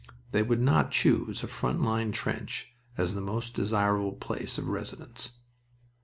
They would not choose a front line trench as the most desirable place of residence.